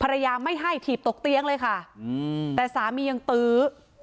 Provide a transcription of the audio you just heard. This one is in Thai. ภรรยาไม่ให้ถีบตกเตียงเลยค่ะอืมแต่สามียังตื้อ